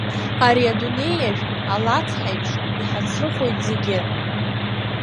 Ари адунеиажә алацҳаиԥш иҳацрыхоит зегьы.